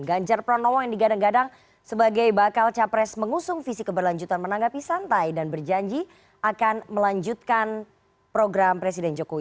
ganjar pranowo yang digadang gadang sebagai bakal capres mengusung visi keberlanjutan menanggapi santai dan berjanji akan melanjutkan program presiden jokowi